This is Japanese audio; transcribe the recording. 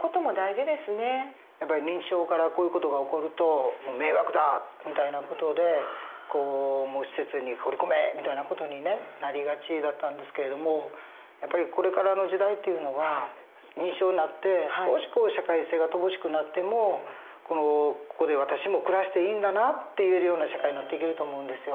やっぱり認知症からこういう事が起こると「迷惑だ！」みたいな事で施設に放り込めみたいな事にねなりがちだったんですけれどもやっぱりこれからの時代っていうのは認知症になって少し社会性が乏しくなっても「ここで私も暮らしていいんだな」って言えるような社会になっていけると思うんですよ。